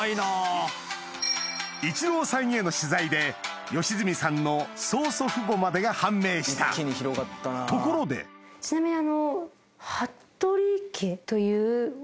一郎さんへの取材で良純さんの曽祖父母までが判明したところでちなみに。